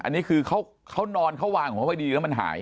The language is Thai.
อันนี้คือเขานอนเขาวางของเขาไว้ดีแล้วมันหาย